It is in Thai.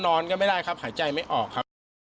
นอนก็ไม่ได้ครับหายใจไม่ออกครับ